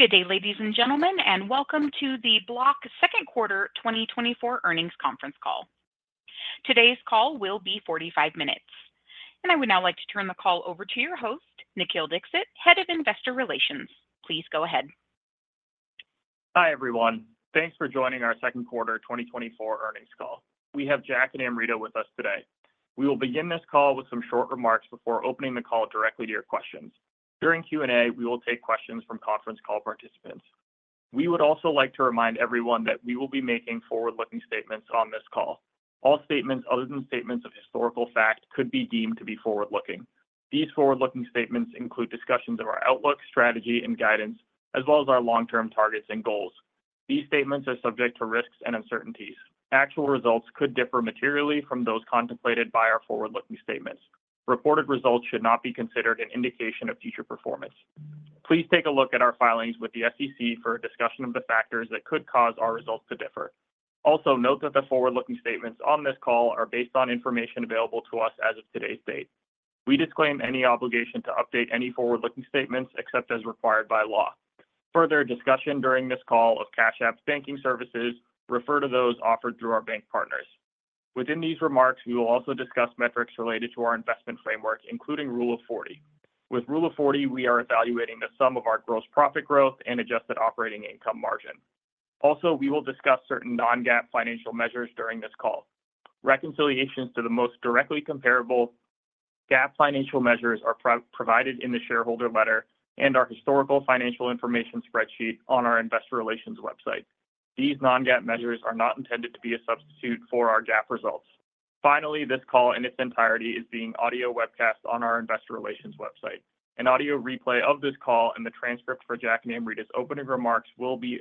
Good day, ladies and gentlemen, and welcome to the Block Second Quarter 2024 earnings conference call. Today's call will be 45 minutes. I would now like to turn the call over to your host, Nikhil Dixit, Head of Investor Relations. Please go ahead. Hi, everyone. Thanks for joining our Second Quarter 2024 earnings call. We have Jack and Amrita with us today. We will begin this call with some short remarks before opening the call directly to your questions. During Q&A, we will take questions from conference call participants. We would also like to remind everyone that we will be making forward-looking statements on this call. All statements other than statements of historical fact could be deemed to be forward-looking. These forward-looking statements include discussions of our outlook, strategy, and guidance, as well as our long-term targets and goals. These statements are subject to risks and uncertainties. Actual results could differ materially from those contemplated by our forward-looking statements. Reported results should not be considered an indication of future performance. Please take a look at our filings with the SEC for a discussion of the factors that could cause our results to differ. Also, note that the forward-looking statements on this call are based on information available to us as of today's date. We disclaim any obligation to update any forward-looking statements except as required by law. Further, discussion during this call of Cash App's banking services refer to those offered through our bank partners. Within these remarks, we will also discuss metrics related to our investment framework, including Rule of 40. With Rule of 40, we are evaluating the sum of our gross profit growth and Adjusted operating income margin. Also, we will discuss certain non-GAAP financial measures during this call. Reconciliations to the most directly comparable GAAP financial measures are provided in the shareholder letter and our historical financial information spreadsheet on our Investor Relations website. These non-GAAP measures are not intended to be a substitute for our GAAP results. Finally, this call in its entirety is being audio webcast on our Investor Relations website. An audio replay of this call and the transcript for Jack and Amrita's opening remarks will be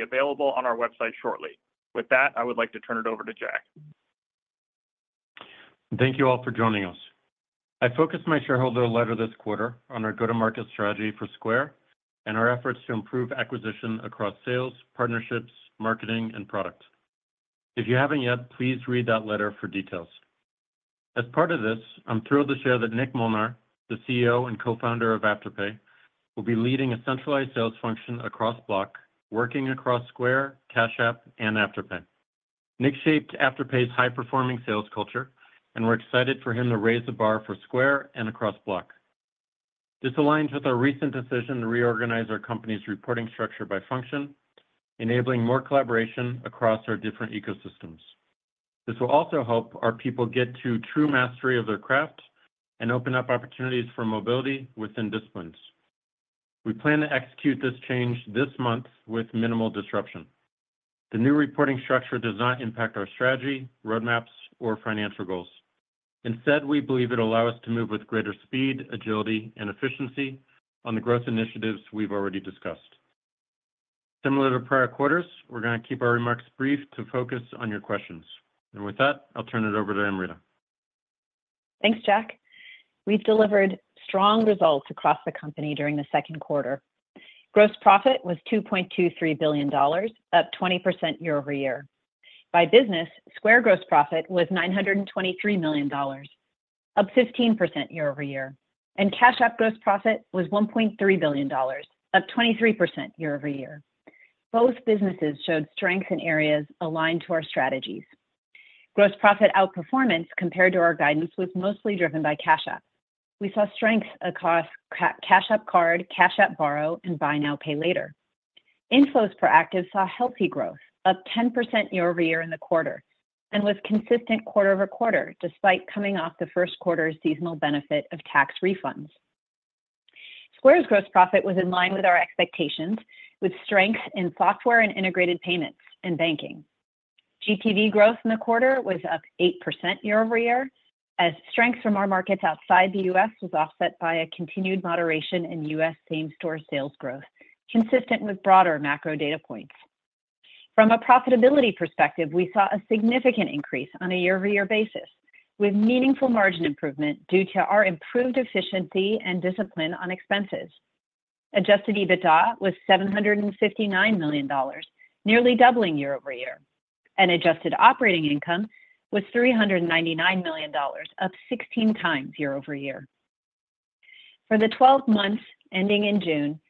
available on our website shortly. With that, I would like to turn it over to Jack. Thank you all for joining us. I focused my shareholder letter this quarter on our go-to-market strategy for Square and our efforts to improve acquisition across sales, partnerships, marketing, and product. If you haven't yet, please read that letter for details. As part of this, I'm thrilled to share that Nick Molnar, the CEO and co-founder of Afterpay, will be leading a centralized sales function across Block, working across Square, Cash App, and Afterpay. Nick shaped Afterpay's high-performing sales culture, and we're excited for him to raise the bar for Square and across Block. This aligns with our recent decision to reorganize our company's reporting structure by function, enabling more collaboration across our different ecosystems. This will also help our people get to true mastery of their craft and open up opportunities for mobility within disciplines. We plan to execute this change this month with minimal disruption. The new reporting structure does not impact our strategy, roadmaps, or financial goals. Instead, we believe it will allow us to move with greater speed, agility, and efficiency on the growth initiatives we've already discussed. Similar to prior quarters, we're going to keep our remarks brief to focus on your questions. With that, I'll turn it over to Amrita. Thanks, Jack. We've delivered strong results across the company during the second quarter. Gross profit was $2.23 billion, up 20% year-over-year. By business, Square gross profit was $923 million, up 15% year-over-year. Cash App gross profit was $1.3 billion, up 23% year-over-year. Both businesses showed strengths in areas aligned to our strategies. Gross profit outperformance compared to our guidance was mostly driven by Cash App. We saw strengths across Cash App Card, Cash App Borrow, and Buy Now Pay Later. Inflows per active saw healthy growth, up 10% year-over-year in the quarter, and was consistent quarter-over-quarter despite coming off the first quarter's seasonal benefit of tax refunds. Square's gross profit was in line with our expectations, with strengths in software and integrated payments and banking. GTV growth in the quarter was up 8% year-over-year, as strengths from our markets outside the U.S. was offset by a continued moderation in U.S. same-store sales growth, consistent with broader macro data points. From a profitability perspective, we saw a significant increase on a year-over-year basis, with meaningful margin improvement due to our improved efficiency and discipline on expenses. Adjusted EBITDA was $759 million, nearly doubling year-over-year. Adjusted operating income was $399 million, up 16x year-over-year. For the 12 months ending in June,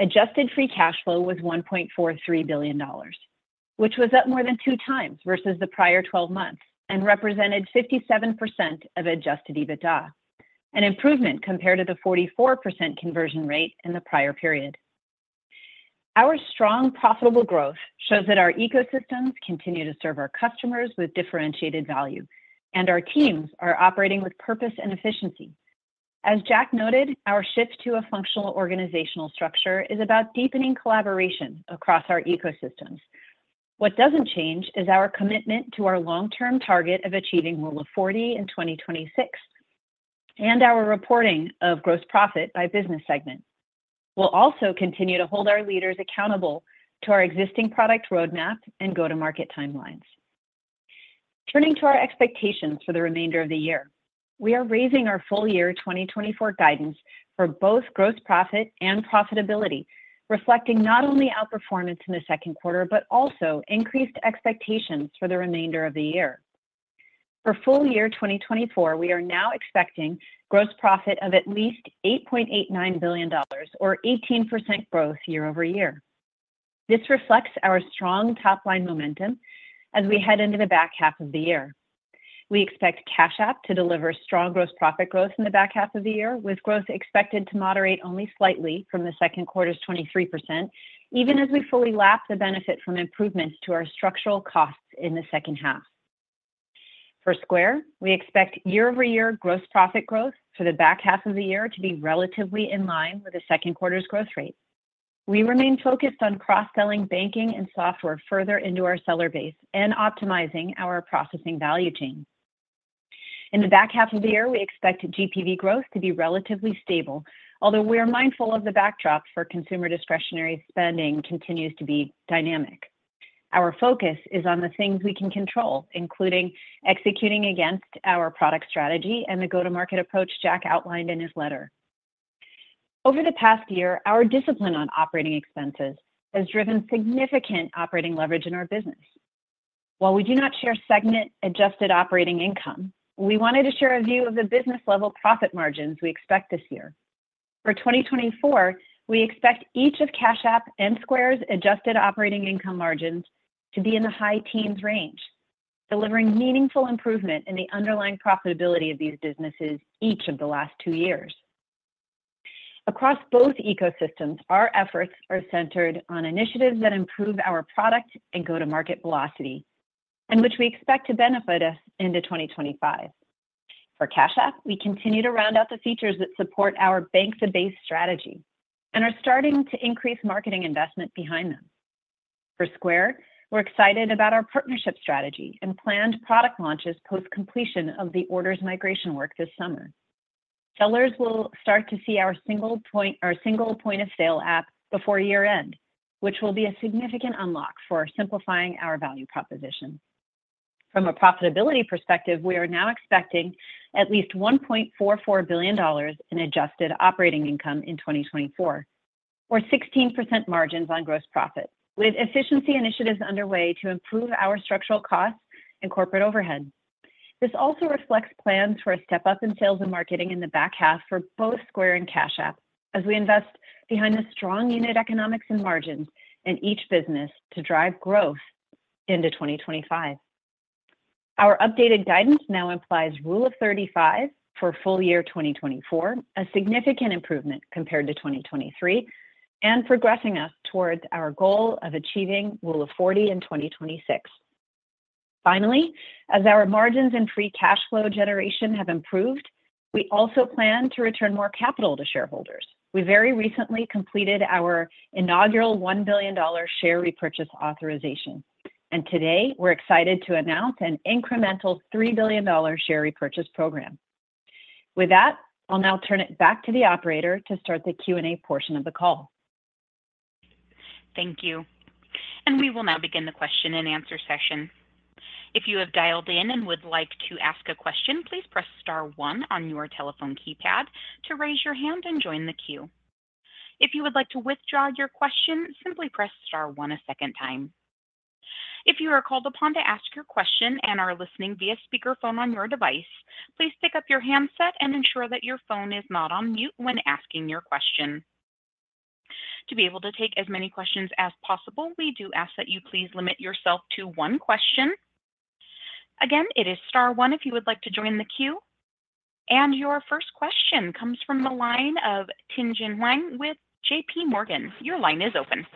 Adjusted free cash flow was $1.43 billion, which was up more than 2x versus the prior 12 months and represented 57% of Adjusted EBITDA, an improvement compared to the 44% conversion rate in the prior period. Our strong, profitable growth shows that our ecosystems continue to serve our customers with differentiated value, and our teams are operating with purpose and efficiency. As Jack noted, our shift to a functional organizational structure is about deepening collaboration across our ecosystems. What doesn't change is our commitment to our long-term target of achieving Rule of 40 in 2026 and our reporting of gross profit by business segment. We'll also continue to hold our leaders accountable to our existing product roadmap and go-to-market timelines. Turning to our expectations for the remainder of the year, we are raising our full-year 2024 guidance for both gross profit and profitability, reflecting not only outperformance in the second quarter, but also increased expectations for the remainder of the year. For full-year 2024, we are now expecting gross profit of at least $8.89 billion, or 18% growth year-over-year. This reflects our strong top-line momentum as we head into the back half of the year. We expect Cash App to deliver strong gross profit growth in the back half of the year, with growth expected to moderate only slightly from the second quarter's 23%, even as we fully lapse the benefit from improvements to our structural costs in the second half. For Square, we expect year-over-year gross profit growth for the back half of the year to be relatively in line with the second quarter's growth rate. We remain focused on cross-selling banking and software further into our seller base and optimizing our processing value chain. In the back half of the year, we expect GPV growth to be relatively stable, although we are mindful of the backdrop for consumer discretionary spending continues to be dynamic. Our focus is on the things we can control, including executing against our product strategy and the go-to-market approach Jack outlined in his letter. Over the past year, our discipline on operating expenses has driven significant operating leverage in our business. While we do not share segment-adjusted operating income, we wanted to share a view of the business-level profit margins we expect this year. For 2024, we expect each of Cash App and Square's Adjusted operating income margins to be in the high teens range, delivering meaningful improvement in the underlying profitability of these businesses each of the last two years. Across both ecosystems, our efforts are centered on initiatives that improve our product and go-to-market velocity, and which we expect to benefit us into 2025. For Cash App, we continue to round out the features that support our bank-to-base strategy and are starting to increase marketing investment behind them. For Square, we're excited about our partnership strategy and planned product launches post-completion of the orders migration work this summer. Sellers will start to see our single point-of-sale app before year-end, which will be a significant unlock for simplifying our value proposition. From a profitability perspective, we are now expecting at least $1.44 billion in Adjusted operating income in 2024, or 16% margins on gross profit, with efficiency initiatives underway to improve our structural costs and corporate overhead. This also reflects plans for a step-up in sales and marketing in the back half for both Square and Cash App, as we invest behind the strong unit economics and margins in each business to drive growth into 2025. Our updated guidance now implies Rule of 35 for full-year 2024, a significant improvement compared to 2023, and progressing us towards our goal of achieving Rule of 40 in 2026. Finally, as our margins and free cash flow generation have improved, we also plan to return more capital to shareholders. We very recently completed our inaugural $1 billion share repurchase authorization. Today, we're excited to announce an incremental $3 billion share repurchase program. With that, I'll now turn it back to the operator to start the Q&A portion of the call. Thank you. We will now begin the question-and-answer session. If you have dialed in and would like to ask a question, please press Star 1 on your telephone keypad to raise your hand and join the queue. If you would like to withdraw your question, simply press Star 1 a second time. If you are called upon to ask your question and are listening via speakerphone on your device, please pick up your handset and ensure that your phone is not on mute when asking your question. To be able to take as many questions as possible, we do ask that you please limit yourself to one question. Again, it is Star 1 if you would like to join the queue. Your first question comes from the line of Tien-Tsin Huang with J.P. Morgan. Your line is open.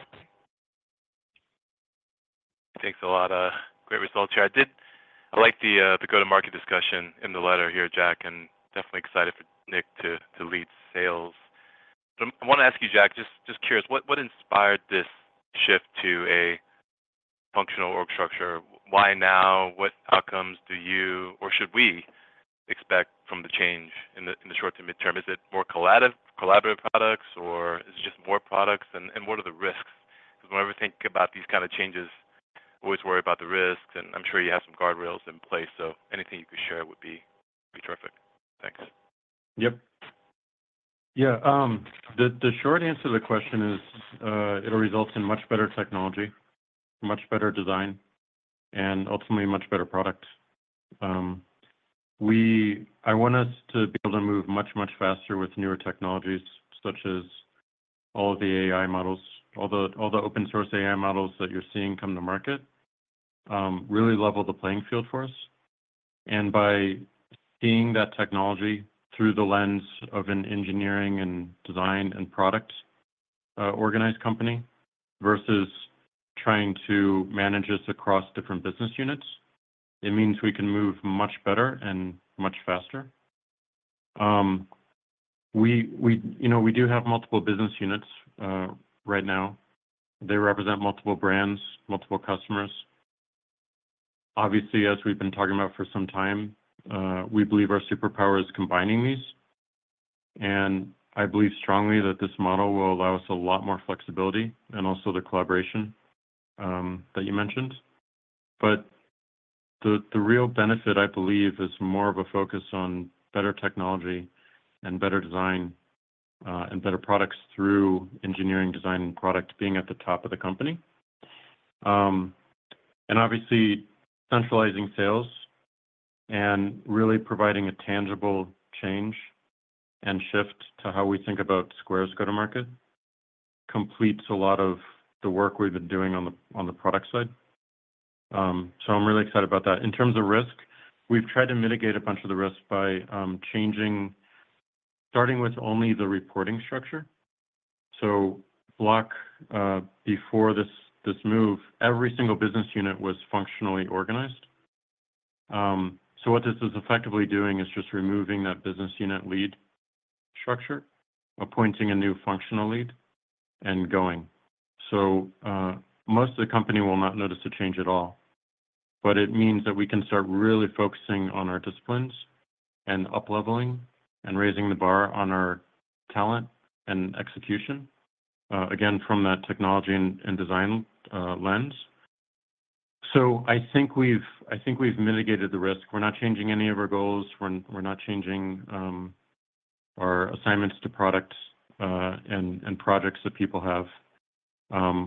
Thanks a lot. Great results here. I like the go-to-market discussion in the letter here, Jack, and definitely excited for Nick to lead sales. I want to ask you, Jack, just curious, what inspired this shift to a functional org structure? Why now? What outcomes do you or should we expect from the change in the short to midterm? Is it more collaborative products, or is it just more products? And what are the risks? Because whenever we think about these kinds of changes, we always worry about the risks. And I'm sure you have some guardrails in place. So anything you could share would be terrific. Thanks. Yep. Yeah. The short answer to the question is it'll result in much better technology, much better design, and ultimately much better products. I want us to be able to move much, much faster with newer technologies, such as all of the AI models, all the open-source AI models that you're seeing come to market, really level the playing field for us. And by seeing that technology through the lens of an engineering and design and product-organized company versus trying to manage this across different business units, it means we can move much better and much faster. We do have multiple business units right now. They represent multiple brands, multiple customers. Obviously, as we've been talking about for some time, we believe our superpower is combining these. And I believe strongly that this model will allow us a lot more flexibility and also the collaboration that you mentioned. The real benefit, I believe, is more of a focus on better technology and better design and better products through engineering, design, and product being at the top of the company. Obviously, centralizing sales and really providing a tangible change and shift to how we think about Square's go-to-market completes a lot of the work we've been doing on the product side. I'm really excited about that. In terms of risk, we've tried to mitigate a bunch of the risk by changing, starting with only the reporting structure. Block, before this move, every single business unit was functionally organized. What this is effectively doing is just removing that business unit lead structure, appointing a new functional lead, and going. Most of the company will not notice a change at all. But it means that we can start really focusing on our disciplines and up-leveling and raising the bar on our talent and execution, again, from that technology and design lens. So I think we've mitigated the risk. We're not changing any of our goals. We're not changing our assignments to products and projects that people have.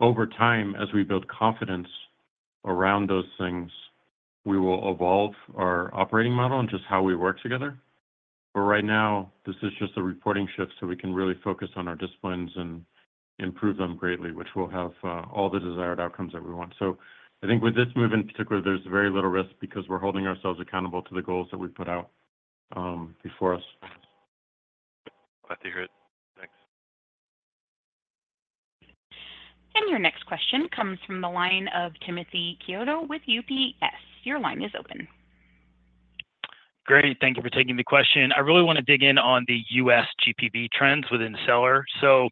Over time, as we build confidence around those things, we will evolve our operating model and just how we work together. But right now, this is just a reporting shift so we can really focus on our disciplines and improve them greatly, which will have all the desired outcomes that we want. So I think with this move in particular, there's very little risk because we're holding ourselves accountable to the goals that we've put out before us. Glad to hear it. Thanks. Your next question comes from the line of Timothy Chiodo with J.P. Morgan. Your line is open. Great. Thank you for taking the question. I really want to dig in on the U.S. GPV trends within Seller. So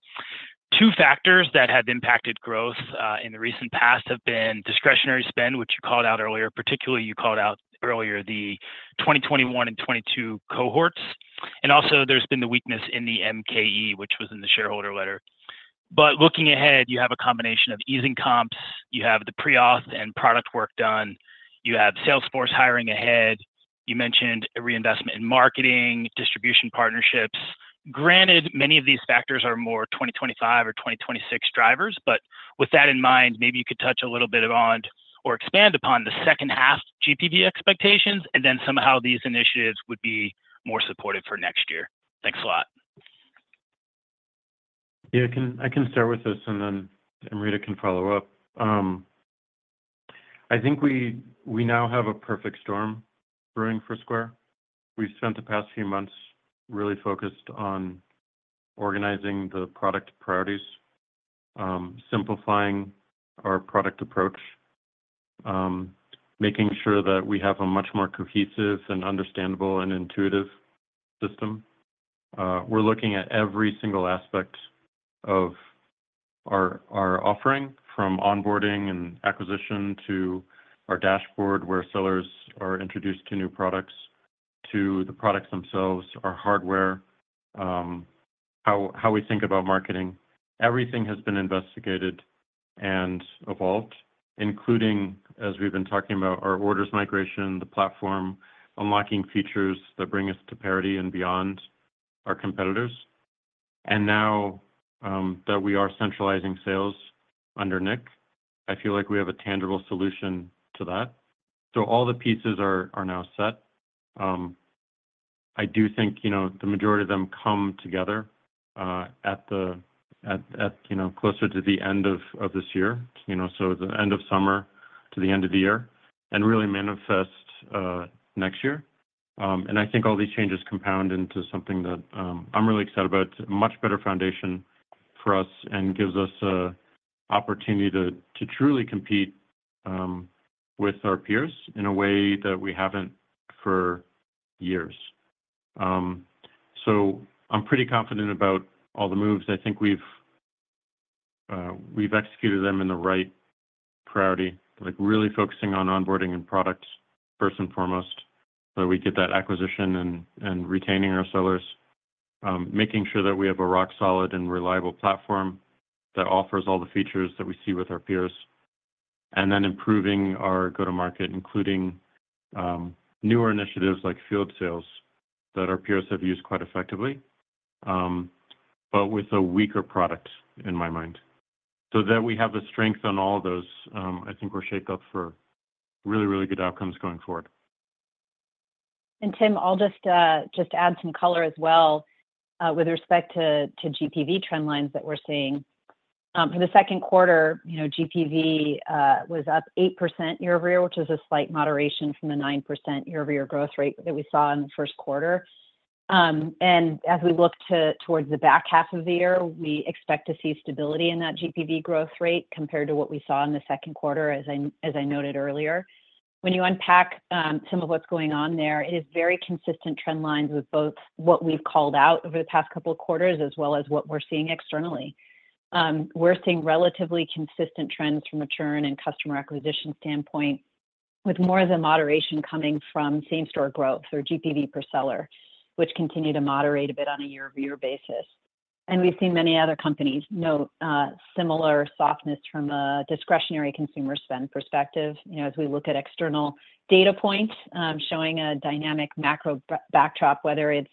two factors that have impacted growth in the recent past have been discretionary spend, which you called out earlier. Particularly, you called out earlier the 2021 and 2022 cohorts. Also, there's been the weakness in the MKE, which was in the shareholder letter. Looking ahead, you have a combination of easing comps. You have the pre-auth and product work done. You have Salesforce hiring ahead. You mentioned a reinvestment in marketing, distribution partnerships. Granted, many of these factors are more 2025 or 2026 drivers. With that in mind, maybe you could touch a little bit on or expand upon the second half GPV expectations, and then somehow these initiatives would be more supportive for next year. Thanks a lot. Yeah. I can start with this, and then Amrita can follow up. I think we now have a perfect storm brewing for Square. We've spent the past few months really focused on organizing the product priorities, simplifying our product approach, making sure that we have a much more cohesive and understandable and intuitive system. We're looking at every single aspect of our offering, from onboarding and acquisition to our dashboard where sellers are introduced to new products, to the products themselves, our hardware, how we think about marketing. Everything has been investigated and evolved, including, as we've been talking about, our Orders Migration, the platform, unlocking features that bring us to parity and beyond our competitors. And now that we are centralizing sales under Nick, I feel like we have a tangible solution to that. So all the pieces are now set. I do think the majority of them come together at closer to the end of this year, so the end of summer to the end of the year, and really manifest next year. I think all these changes compound into something that I'm really excited about, a much better foundation for us and gives us an opportunity to truly compete with our peers in a way that we haven't for years. I'm pretty confident about all the moves. I think we've executed them in the right priority, really focusing on onboarding and products first and foremost so that we get that acquisition and retaining our sellers, making sure that we have a rock-solid and reliable platform that offers all the features that we see with our peers, and then improving our go-to-market, including newer initiatives like field sales that our peers have used quite effectively, but with a weaker product in my mind. So that we have the strength on all of those, I think we're shaped up for really, really good outcomes going forward. Tim, I'll just add some color as well with respect to GPV trend lines that we're seeing. For the second quarter, GPV was up 8% year-over-year, which is a slight moderation from the 9% year-over-year growth rate that we saw in the first quarter. As we look towards the back half of the year, we expect to see stability in that GPV growth rate compared to what we saw in the second quarter, as I noted earlier. When you unpack some of what's going on there, it is very consistent trend lines with both what we've called out over the past couple of quarters as well as what we're seeing externally. We're seeing relatively consistent trends from a churn and customer acquisition standpoint, with more of the moderation coming from same-store growth or GPV per seller, which continue to moderate a bit on a year-over-year basis. We've seen many other companies note similar softness from a discretionary consumer spend perspective as we look at external data points showing a dynamic macro backdrop, whether it's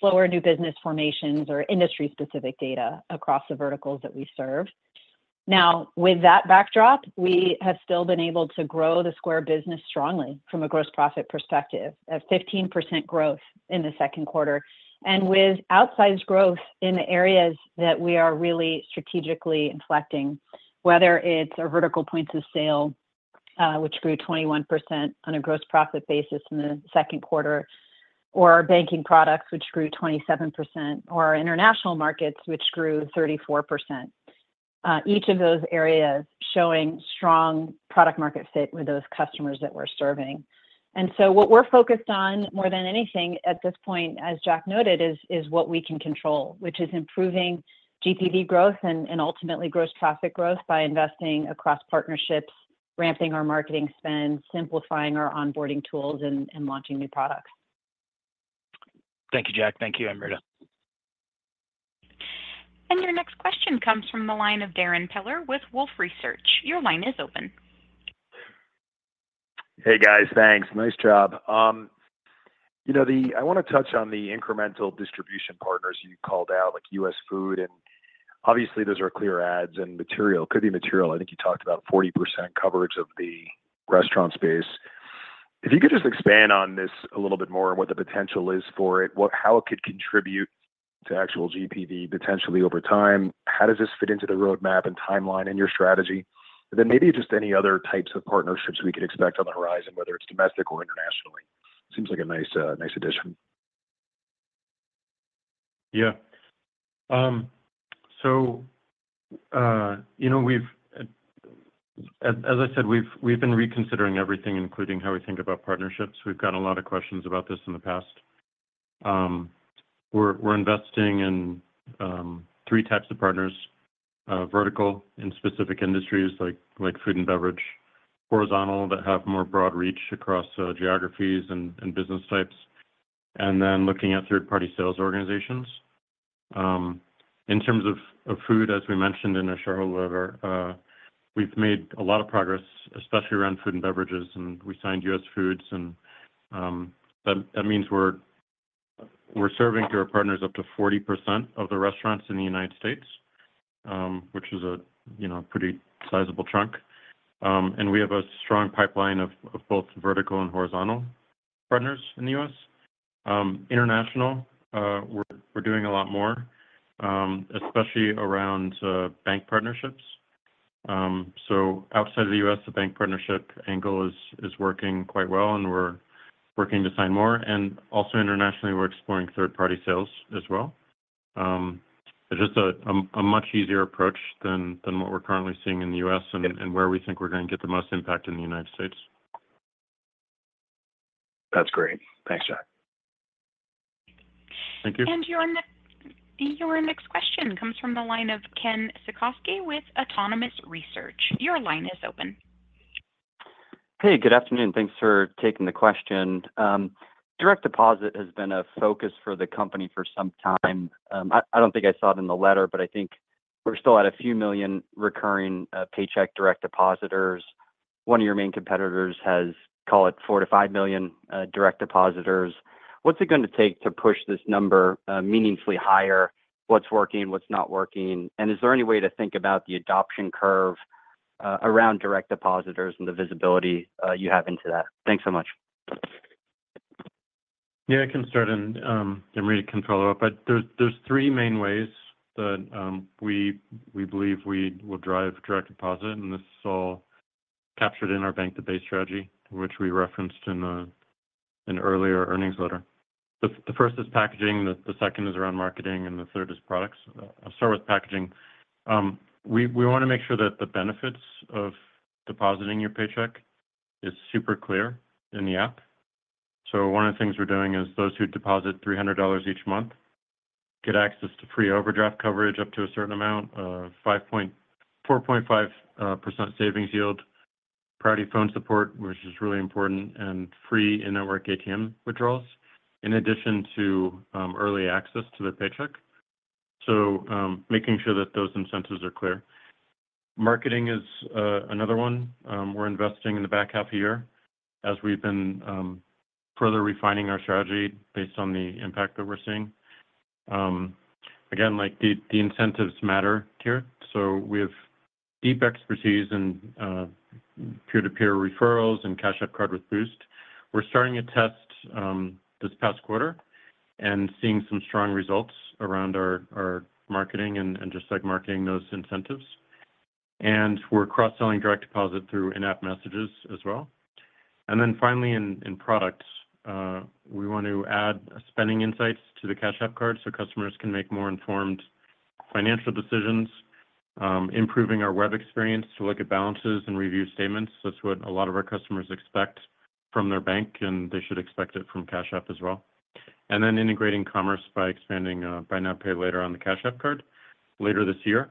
slower new business formations or industry-specific data across the verticals that we serve. Now, with that backdrop, we have still been able to grow the Square business strongly from a gross profit perspective of 15% growth in the second quarter and with outsized growth in the areas that we are really strategically inflecting, whether it's our vertical points of sale, which grew 21% on a gross profit basis in the second quarter, or our banking products, which grew 27%, or our international markets, which grew 34%. Each of those areas showing strong product-market fit with those customers that we're serving. What we're focused on more than anything at this point, as Jack noted, is what we can control, which is improving GPV growth and ultimately gross profit growth by investing across partnerships, ramping our marketing spend, simplifying our onboarding tools, and launching new products. Thank you, Jack. Thank you, Amrita. Your next question comes from the line of Darrin Peller with Wolfe Research. Your line is open. Hey, guys. Thanks. Nice job. I want to touch on the incremental distribution partners you called out, like U.S. Foods. And obviously, those are clear adds and material. Could be material. I think you talked about 40% coverage of the restaurant space. If you could just expand on this a little bit more and what the potential is for it, how it could contribute to actual GPV potentially over time, how does this fit into the roadmap and timeline and your strategy? Then maybe just any other types of partnerships we could expect on the horizon, whether it's domestic or internationally. Seems like a nice addition. Yeah. So as I said, we've been reconsidering everything, including how we think about partnerships. We've gotten a lot of questions about this in the past. We're investing in three types of partners: vertical in specific industries like food and beverage, horizontal that have more broad reach across geographies and business types, and then looking at third-party sales organizations. In terms of food, as we mentioned in our shareholder letter, we've made a lot of progress, especially around food and beverages, and we signed U.S. Foods. And that means we're serving to our partners up to 40% of the restaurants in the United States, which is a pretty sizable chunk. And we have a strong pipeline of both vertical and horizontal partners in the U.S. International, we're doing a lot more, especially around bank partnerships. Outside of the U.S., the bank partnership angle is working quite well, and we're working to sign more. Also internationally, we're exploring third-party sales as well. It's just a much easier approach than what we're currently seeing in the U.S. and where we think we're going to get the most impact in the United States. That's great. Thanks, Jack. Thank you. Your next question comes from the line of Ken Suchoski with Autonomous Research. Your line is open. Hey, good afternoon. Thanks for taking the question. Direct deposit has been a focus for the company for some time. I don't think I saw it in the letter, but I think we're still at a few million recurring paycheck direct depositors. One of your main competitors has called it 4-5 million direct depositors. What's it going to take to push this number meaningfully higher? What's working? What's not working? And is there any way to think about the adoption curve around direct depositors and the visibility you have into that? Thanks so much. Yeah. I can start, and Amrita can follow up. But there's three main ways that we believe we will drive direct deposit, and this is all captured in our bank-to-base strategy, which we referenced in an earlier earnings letter. The first is packaging. The second is around marketing, and the third is products. I'll start with packaging. We want to make sure that the benefits of depositing your paycheck is super clear in the app. So one of the things we're doing is those who deposit $300 each month get access to free overdraft coverage up to a certain amount, a 4.5% savings yield, priority phone support, which is really important, and free in-network ATM withdrawals, in addition to early access to their paycheck. So making sure that those incentives are clear. Marketing is another one. We're investing in the back half of the year as we've been further refining our strategy based on the impact that we're seeing. Again, the incentives matter here. So we have deep expertise in peer-to-peer referrals and Cash App Card with Boost. We're starting a test this past quarter and seeing some strong results around our marketing and just marketing those incentives. And we're cross-selling direct deposit through in-app messages as well. And then finally, in products, we want to add spending insights to the Cash App Card so customers can make more informed financial decisions, improving our web experience to look at balances and review statements. That's what a lot of our customers expect from their bank, and they should expect it from Cash App as well. And then integrating commerce by expanding buy now, pay later on the Cash App Card later this year.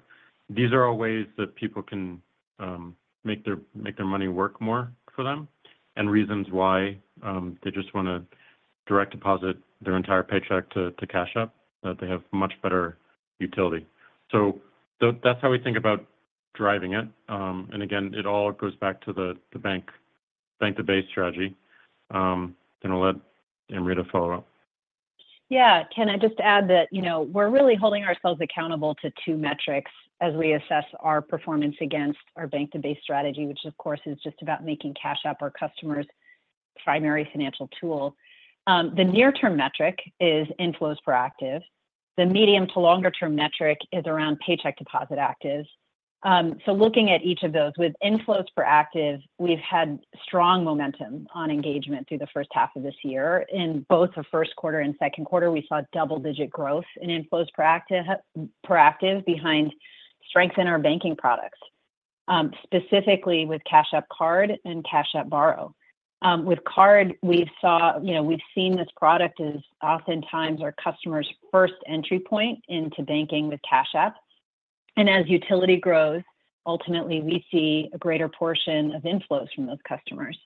These are all ways that people can make their money work more for them and reasons why they just want to direct deposit their entire paycheck to Cash App, that they have much better utility. So that's how we think about driving it. And again, it all goes back to the bank-to-base strategy. Then I'll let Amrita follow up. Yeah. Can I just add that we're really holding ourselves accountable to two metrics as we assess our performance against our bank-to-base strategy, which, of course, is just about making Cash App our customer's primary financial tool. The near-term metric is inflows per active. The medium to longer-term metric is around paycheck deposit actives. So looking at each of those, with inflows per active, we've had strong momentum on engagement through the first half of this year. In both the first quarter and second quarter, we saw double-digit growth in inflows per active behind strength in our banking products, specifically with Cash App Card and Cash App Borrow. With card, we've seen this product as oftentimes our customer's first entry point into banking with Cash App. And as utility grows, ultimately, we see a greater portion of inflows from those customers.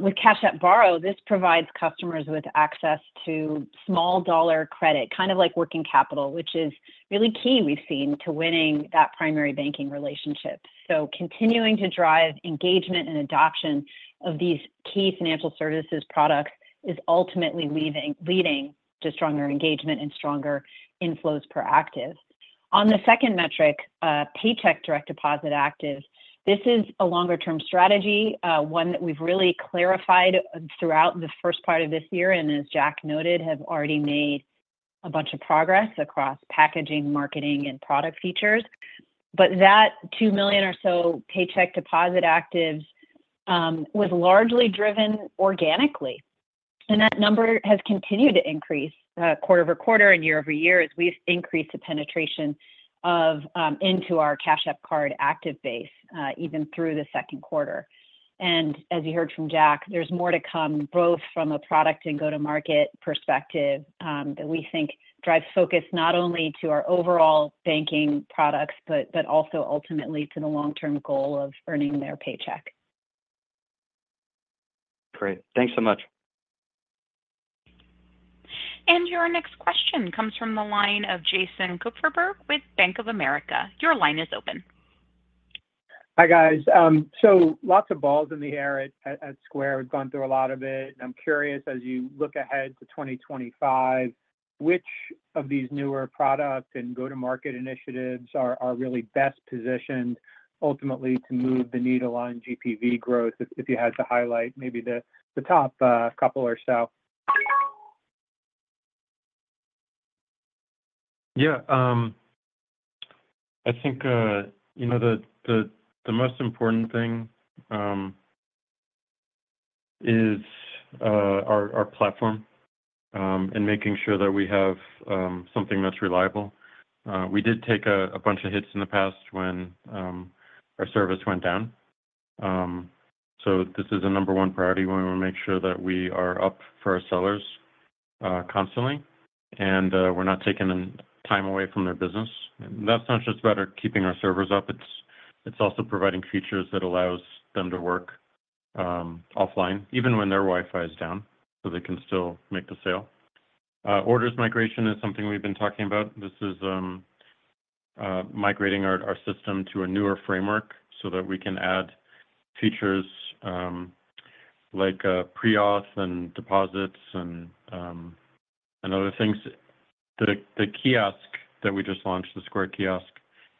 With Cash App Borrow, this provides customers with access to small-dollar credit, kind of like working capital, which is really key, we've seen to winning that primary banking relationship. So continuing to drive engagement and adoption of these key financial services products is ultimately leading to stronger engagement and stronger inflows per active. On the second metric, paycheck direct deposit active, this is a longer-term strategy, one that we've really clarified throughout the first part of this year and, as Jack noted, have already made a bunch of progress across packaging, marketing, and product features. But that 2 million or so paycheck deposit active was largely driven organically. And that number has continued to increase quarter-over-quarter and year-over-year as we've increased the penetration into our Cash App Card active base even through the second quarter. As you heard from Jack, there's more to come both from a product and go-to-market perspective that we think drives focus not only to our overall banking products but also ultimately to the long-term goal of earning their paycheck. Great. Thanks so much. Your next question comes from the line of Jason Kupferberg with Bank of America. Your line is open. Hi, guys. So lots of balls in the air at Square. We've gone through a lot of it. I'm curious, as you look ahead to 2025, which of these newer product and go-to-market initiatives are really best positioned ultimately to move the needle on GPV growth? If you had to highlight maybe the top couple or so. Yeah. I think the most important thing is our platform and making sure that we have something that's reliable. We did take a bunch of hits in the past when our service went down. So this is a number one priority. We want to make sure that we are up for our sellers constantly and we're not taking time away from their business. And that's not just about keeping our servers up. It's also providing features that allow them to work offline, even when their Wi-Fi is down, so they can still make the sale. Orders Migration is something we've been talking about. This is migrating our system to a newer framework so that we can add features like pre-auth and deposits and other things. The kiosk that we just launched, the Square Kiosk,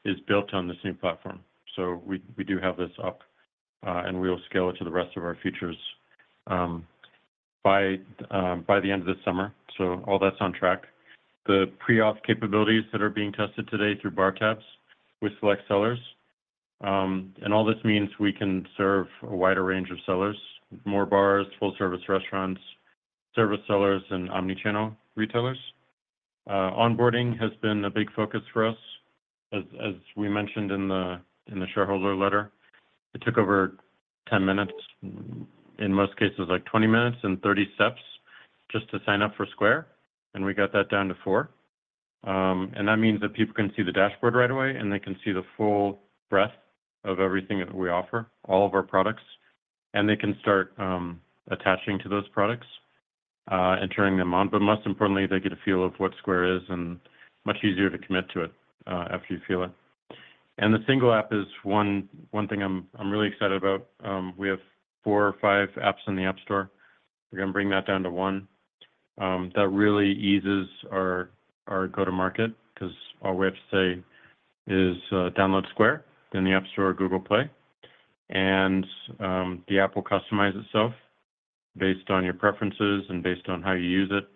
is built on the same platform. So we do have this up, and we will scale it to the rest of our features by the end of this summer. So all that's on track. The pre-auth capabilities that are being tested today through bar tabs with select sellers. And all this means we can serve a wider range of sellers: more bars, full-service restaurants, service sellers, and omnichannel retailers. Onboarding has been a big focus for us. As we mentioned in the shareholder letter, it took over 10 minutes, in most cases like 20 minutes and 30 steps just to sign up for Square. And we got that down to four. And that means that people can see the dashboard right away, and they can see the full breadth of everything that we offer, all of our products. And they can start attaching to those products and turning them on. But most importantly, they get a feel of what Square is and much easier to commit to it after you feel it. The single app is one thing I'm really excited about. We have four or five apps in the App Store. We're going to bring that down to one. That really eases our go-to-market because all we have to say is download Square in the App Store or Google Play. The app will customize itself based on your preferences and based on how you use it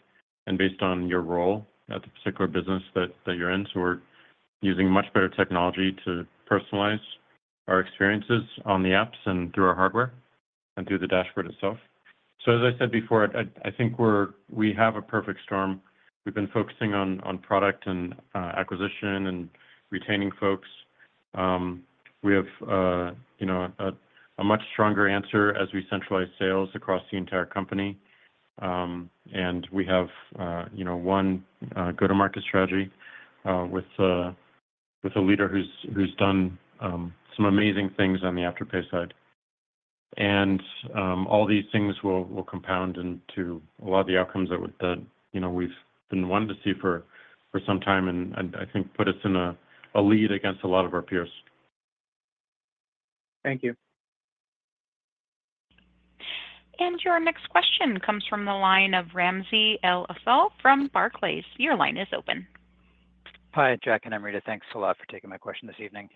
and based on your role at the particular business that you're in. So we're using much better technology to personalize our experiences on the apps and through our hardware and through the dashboard itself. So as I said before, I think we have a perfect storm. We've been focusing on product and acquisition and retaining folks. We have a much stronger answer as we centralize sales across the entire company. We have one go-to-market strategy with a leader who's done some amazing things on the Afterpay side. All these things will compound into a lot of the outcomes that we've been wanting to see for some time and I think put us in a lead against a lot of our peers. Thank you. Your next question comes from the line of Ramsey El-Assal from Barclays. Your line is open. Hi, Jack and Amrita. Thanks a lot for taking my question this evening.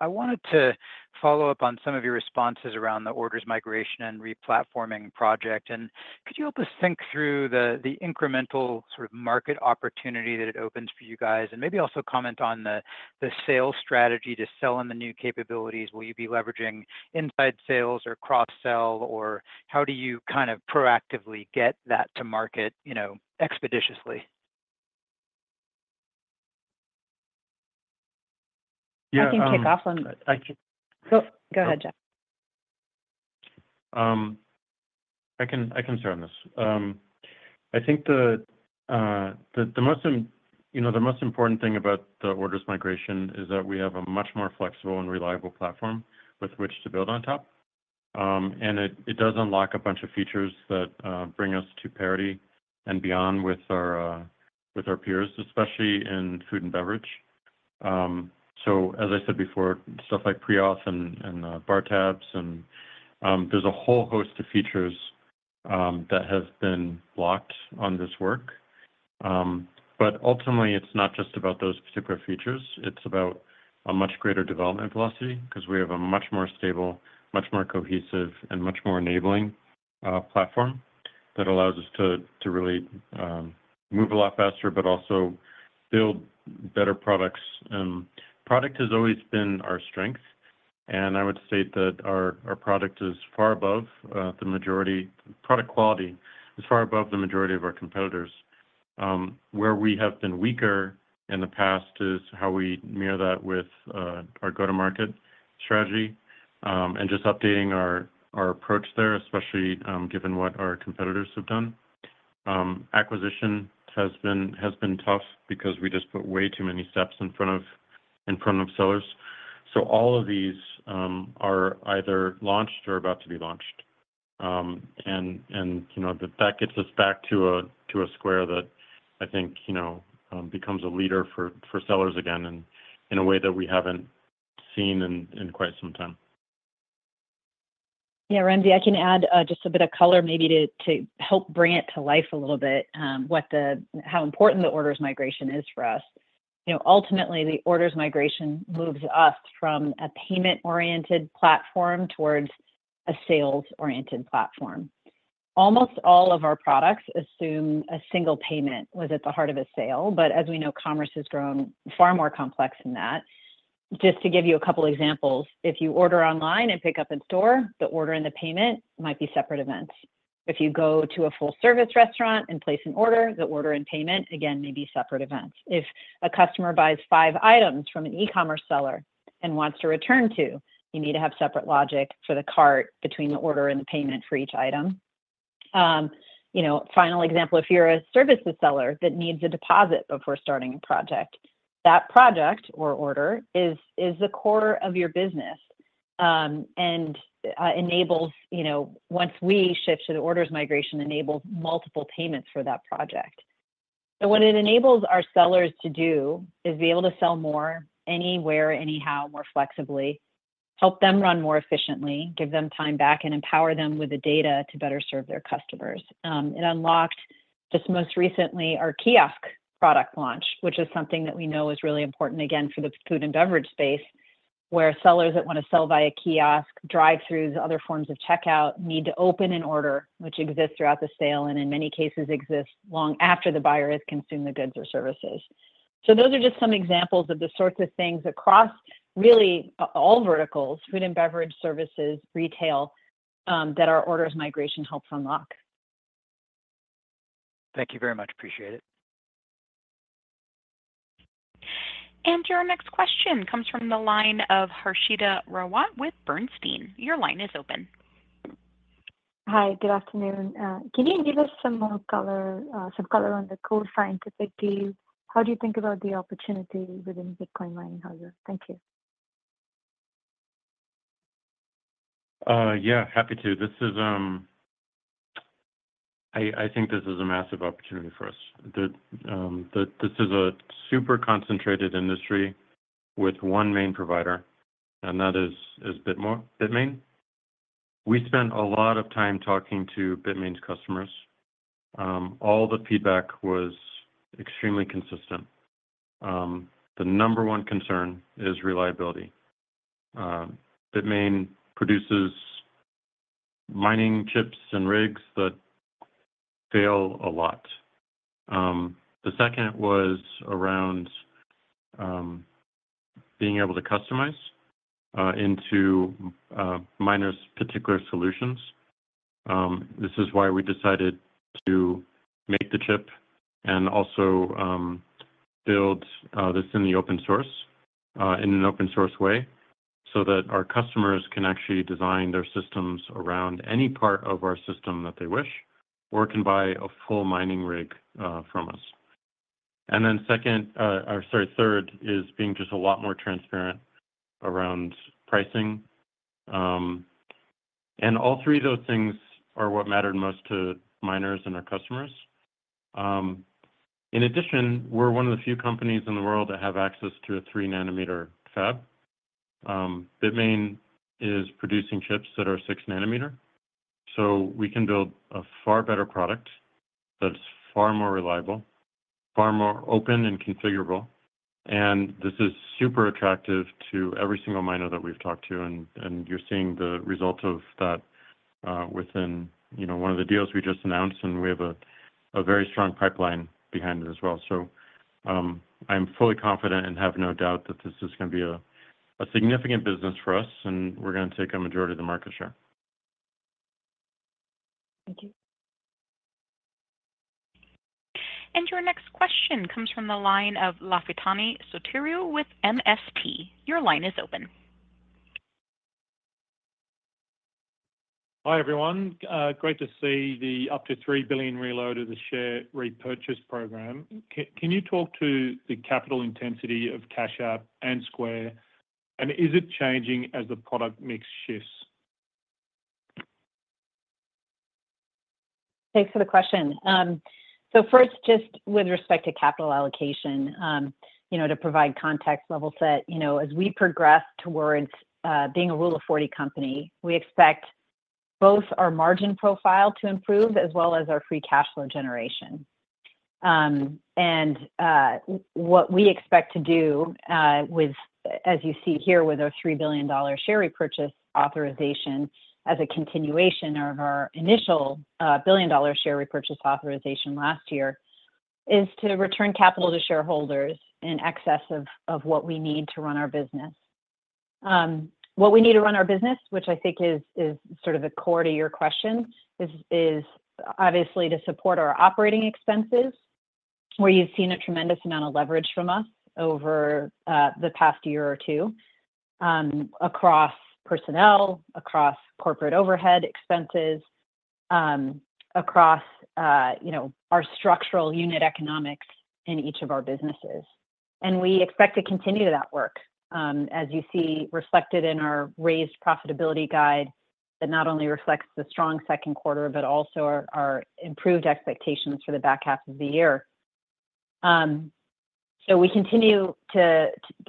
I wanted to follow up on some of your responses around the Orders Migration and replatforming project. Could you help us think through the incremental sort of market opportunity that it opens for you guys and maybe also comment on the sales strategy to sell in the new capabilities? Will you be leveraging inside sales or cross-sell, or how do you kind of proactively get that to market expeditiously? Yeah. I can kick off on. Go ahead, Jack. I can start on this. I think the most important thing about the Orders Migration is that we have a much more flexible and reliable platform with which to build on top. And it does unlock a bunch of features that bring us to parity and beyond with our peers, especially in food and beverage. So as I said before, stuff like pre-auth and bar tabs, and there's a whole host of features that have been locked on this work. But ultimately, it's not just about those particular features. It's about a much greater development velocity because we have a much more stable, much more cohesive, and much more enabling platform that allows us to really move a lot faster but also build better products. Product has always been our strength. And I would state that our product is far above the majority. Product quality is far above the majority of our competitors. Where we have been weaker in the past is how we mirror that with our go-to-market strategy and just updating our approach there, especially given what our competitors have done. Acquisition has been tough because we just put way too many steps in front of sellers. So all of these are either launched or about to be launched. And that gets us back to a Square that I think becomes a leader for sellers again in a way that we haven't seen in quite some time. Yeah, Ramsey, I can add just a bit of color maybe to help bring it to life a little bit with how important the Orders Migration is for us. Ultimately, the Orders Migration moves us from a payment-oriented platform towards a sales-oriented platform. Almost all of our products assume a single payment was at the heart of a sale. But as we know, commerce has grown far more complex than that. Just to give you a couple of examples, if you order online and pick up in store, the order and the payment might be separate events. If you go to a full-service restaurant and place an order, the order and payment, again, may be separate events. If a customer buys five items from an e-commerce seller and wants to return to, you need to have separate logic for the cart between the order and the payment for each item. Final example, if you're a services seller that needs a deposit before starting a project, that project or order is the core of your business and enables once we shift to the Orders Migration, enables multiple payments for that project. So what it enables our sellers to do is be able to sell more anywhere, anyhow, more flexibly, help them run more efficiently, give them time back, and empower them with the data to better serve their customers. It unlocked just most recently our kiosk product launch, which is something that we know is really important again for the food and beverage space where sellers that want to sell via kiosk, drive-throughs, other forms of checkout need to open an order, which exists throughout the sale and in many cases exists long after the buyer has consumed the goods or services. So those are just some examples of the sorts of things across really all verticals: food and beverage services, retail that our Orders Migration helps unlock. Thank you very much. Appreciate it. Your next question comes from the line of Harshita Rawat with Bernstein. Your line is open. Hi, good afternoon. Can you give us some color on the Core Scientific deal? How do you think about the opportunity within Bitcoin mining? Thank you. Yeah, happy to. I think this is a massive opportunity for us. This is a super concentrated industry with one main provider, and that is Bitmain. We spent a lot of time talking to Bitmain's customers. All the feedback was extremely consistent. The number one concern is reliability. Bitmain produces mining chips and rigs that fail a lot. The second was around being able to customize into miners' particular solutions. This is why we decided to make the chip and also build this in the open source in an open-source way so that our customers can actually design their systems around any part of our system that they wish or can buy a full mining rig from us. And then second, or sorry, third, is being just a lot more transparent around pricing. And all three of those things are what mattered most to miners and our customers. In addition, we're one of the few companies in the world that have access to a 3-nanometer fab. Bitmain is producing chips that are 6-nanometer. So we can build a far better product that's far more reliable, far more open and configurable. And this is super attractive to every single miner that we've talked to. And you're seeing the results of that within one of the deals we just announced. And we have a very strong pipeline behind it as well. So I'm fully confident and have no doubt that this is going to be a significant business for us, and we're going to take a majority of the market share. Thank you. Your next question comes from the line of Lafitani Sotiriou with MST. Your line is open. Hi, everyone. Great to see the up to $3 billion reload of the share repurchase program. Can you talk to the capital intensity of Cash App and Square? And is it changing as the product mix shifts? Thanks for the question. So first, just with respect to capital allocation, to provide context level set, as we progress towards being a Rule of 40 company, we expect both our margin profile to improve as well as our free cash flow generation. And what we expect to do, as you see here with our $3 billion share repurchase authorization as a continuation of our initial billion-dollar share repurchase authorization last year, is to return capital to shareholders in excess of what we need to run our business. What we need to run our business, which I think is sort of the core to your question, is obviously to support our operating expenses, where you've seen a tremendous amount of leverage from us over the past year or two across personnel, across corporate overhead expenses, across our structural unit economics in each of our businesses. We expect to continue that work, as you see reflected in our raised profitability guide that not only reflects the strong second quarter, but also our improved expectations for the back half of the year. We continue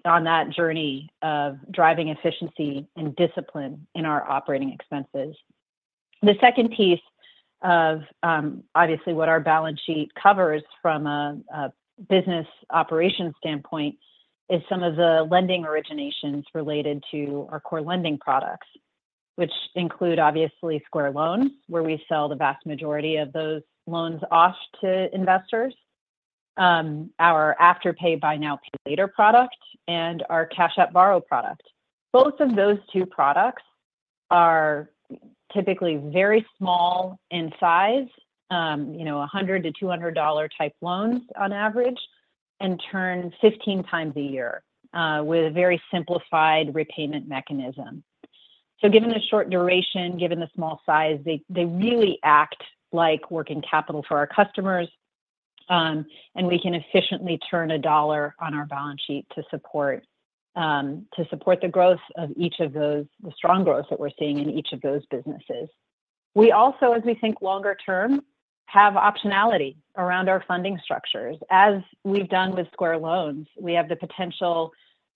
on that journey of driving efficiency and discipline in our operating expenses. The second piece, obviously, of what our balance sheet covers from a business operations standpoint is some of the lending originations related to our core lending products, which include, obviously, Square Loans, where we sell the vast majority of those loans off to investors, our Afterpay buy now pay later product, and our Cash App Borrow product. Both of those two products are typically very small in size, $100-$200 type loans on average, and turn 15x a year with a very simplified repayment mechanism. So given the short duration, given the small size, they really act like working capital for our customers. And we can efficiently turn a dollar on our balance sheet to support the growth of each of those, the strong growth that we're seeing in each of those businesses. We also, as we think longer term, have optionality around our funding structures. As we've done with Square Loans, we have the potential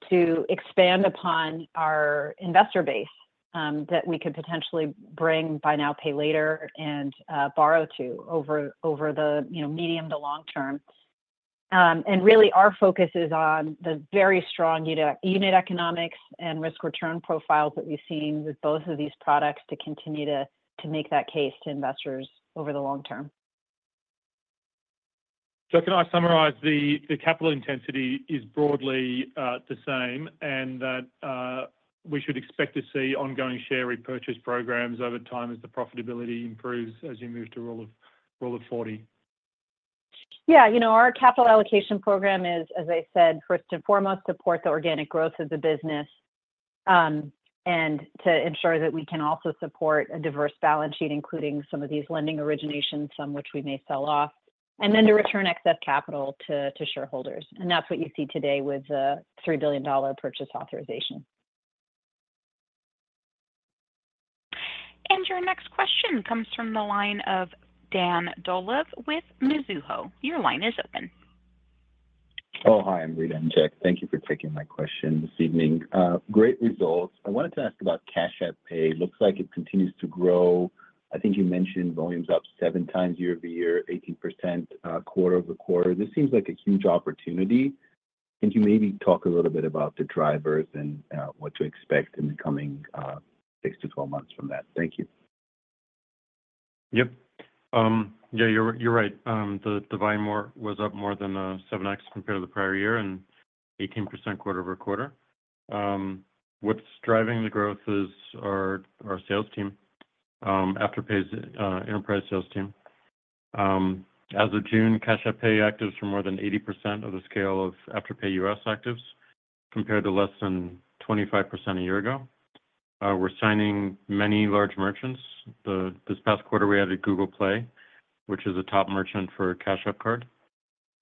to expand upon our investor base that we could potentially bring buy now pay later and borrow to over the medium to long term. And really, our focus is on the very strong unit economics and risk return profiles that we've seen with both of these products to continue to make that case to investors over the long term. Can I summarize? The capital intensity is broadly the same and that we should expect to see ongoing share repurchase programs over time as the profitability improves as you move to Rule of 40. Yeah. Our capital allocation program is, as I said, first and foremost, support the organic growth of the business and to ensure that we can also support a diverse balance sheet, including some of these lending originations, some which we may sell off, and then to return excess capital to shareholders. And that's what you see today with the $3 billion purchase authorization. Your next question comes from the line of Dan Dolev with Mizuho. Your line is open. Oh, hi, Amrita and Jack. Thank you for taking my question this evening. Great results. I wanted to ask about Cash App Pay. Looks like it continues to grow. I think you mentioned volumes up 7x year-over-year, 18% quarter-over-quarter. This seems like a huge opportunity. Can you maybe talk a little bit about the drivers and what to expect in the coming 6 to 12 months from that? Thank you. Yep. Yeah, you're right. The Buy Now was up more than 7x compared to the prior year and 18% quarter-over-quarter. What's driving the growth is our sales team, Afterpay's enterprise sales team. As of June, Cash App Pay actives for more than 80% of the scale of Afterpay U.S. actives compared to less than 25% a year ago. We're signing many large merchants. This past quarter, we added Google Play, which is a top merchant for Cash App Card.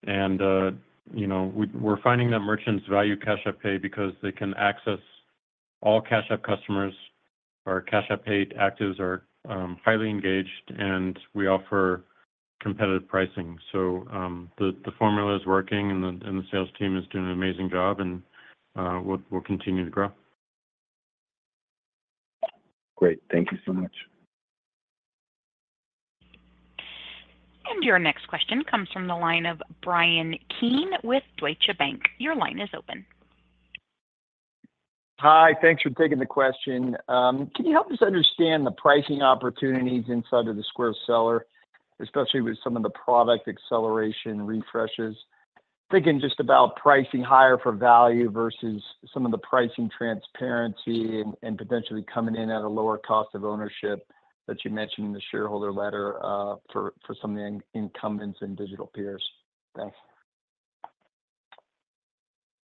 And we're finding that merchants value Cash App Pay because they can access all Cash App customers. Our Cash App Pay actives are highly engaged, and we offer competitive pricing. So the formula is working, and the sales team is doing an amazing job, and we'll continue to grow. Great. Thank you so much. Your next question comes from the line of Bryan Keane with Deutsche Bank. Your line is open. Hi. Thanks for taking the question. Can you help us understand the pricing opportunities inside of the Square seller, especially with some of the product acceleration refreshes? Thinking just about pricing higher for value versus some of the pricing transparency and potentially coming in at a lower cost of ownership that you mentioned in the shareholder letter for some of the incumbents and digital peers. Thanks.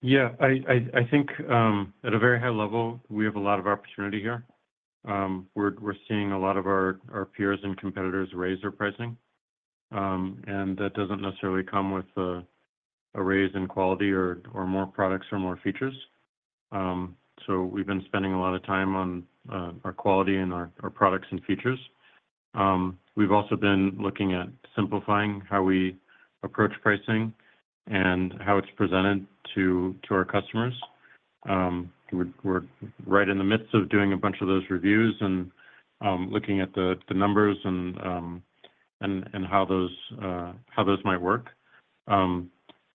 Yeah. I think at a very high level, we have a lot of opportunity here. We're seeing a lot of our peers and competitors raise their pricing. That doesn't necessarily come with a raise in quality or more products or more features. We've been spending a lot of time on our quality and our products and features. We've also been looking at simplifying how we approach pricing and how it's presented to our customers. We're right in the midst of doing a bunch of those reviews and looking at the numbers and how those might work.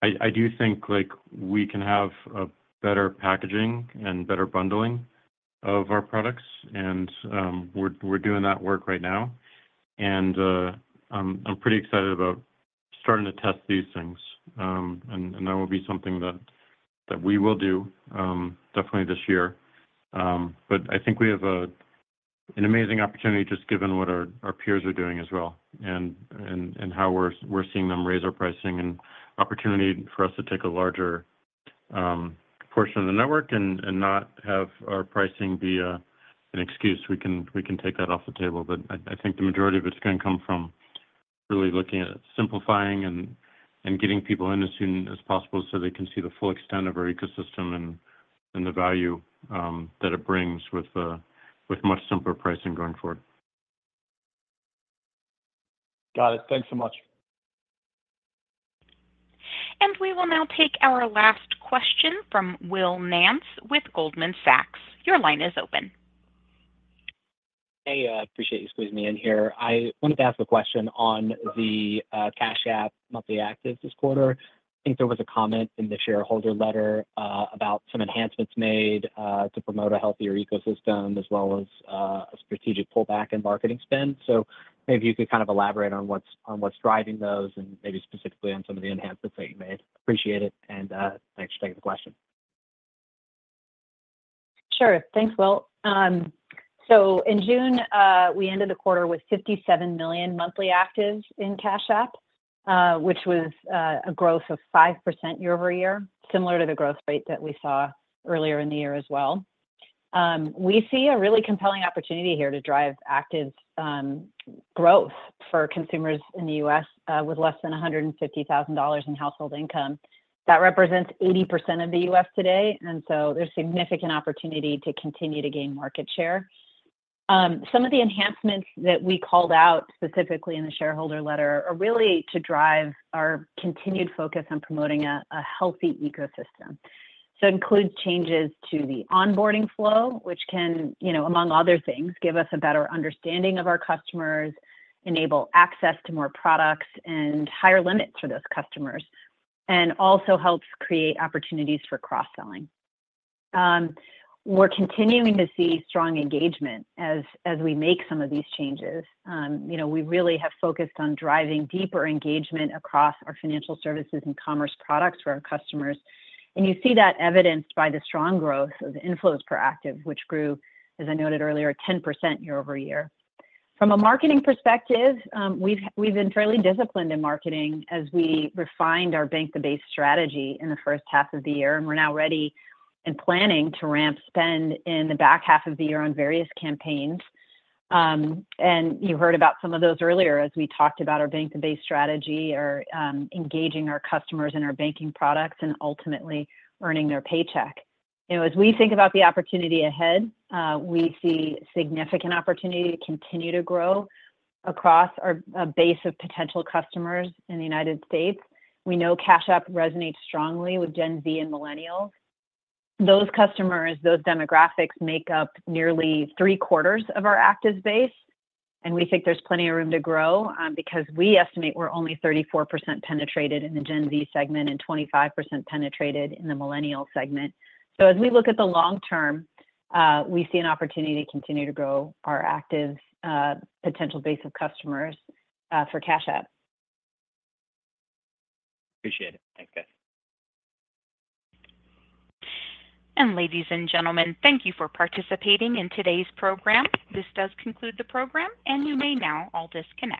I do think we can have a better packaging and better bundling of our products. We're doing that work right now. I'm pretty excited about starting to test these things. That will be something that we will do definitely this year. But I think we have an amazing opportunity just given what our peers are doing as well and how we're seeing them raise our pricing and opportunity for us to take a larger portion of the network and not have our pricing be an excuse. We can take that off the table. But I think the majority of it's going to come from really looking at simplifying and getting people in as soon as possible so they can see the full extent of our ecosystem and the value that it brings with much simpler pricing going forward. Got it. Thanks so much. We will now take our last question from Will Nance with Goldman Sachs. Your line is open. Hey, I appreciate you squeezing me in here. I wanted to ask a question on the Cash App monthly actives this quarter. I think there was a comment in the shareholder letter about some enhancements made to promote a healthier ecosystem as well as a strategic pullback in marketing spend. So maybe you could kind of elaborate on what's driving those and maybe specifically on some of the enhancements that you made. Appreciate it. Thanks for taking the question. Sure. Thanks, Will. So in June, we ended the quarter with 57 million monthly actives in Cash App, which was a growth of 5% year-over-year, similar to the growth rate that we saw earlier in the year as well. We see a really compelling opportunity here to drive actives growth for consumers in the U.S. with less than $150,000 in household income. That represents 80% of the U.S. today. And so there's significant opportunity to continue to gain market share. Some of the enhancements that we called out specifically in the shareholder letter are really to drive our continued focus on promoting a healthy ecosystem. So it includes changes to the onboarding flow, which can, among other things, give us a better understanding of our customers, enable access to more products, and higher limits for those customers, and also helps create opportunities for cross-selling. We're continuing to see strong engagement as we make some of these changes. We really have focused on driving deeper engagement across our financial services and commerce products for our customers. You see that evidenced by the strong growth of inflows per active, which grew, as I noted earlier, 10% year-over-year. From a marketing perspective, we've been fairly disciplined in marketing as we refined our bank-to-base strategy in the first half of the year. We're now ready and planning to ramp spend in the back half of the year on various campaigns. You heard about some of those earlier as we talked about our bank-to-base strategy, engaging our customers in our banking products, and ultimately earning their paycheck. As we think about the opportunity ahead, we see significant opportunity to continue to grow across our base of potential customers in the United States. We know Cash App resonates strongly with Gen Z and millennials. Those customers, those demographics make up nearly three-quarters of our actives base. We think there's plenty of room to grow because we estimate we're only 34% penetrated in the Gen Z segment and 25% penetrated in the millennial segment. As we look at the long term, we see an opportunity to continue to grow our actives, potential base of customers for Cash App. Appreciate it. Thanks, guys. Ladies and gentlemen, thank you for participating in today's program. This does conclude the program, and you may now all disconnect.